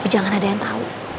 tapi jangan ada yang tau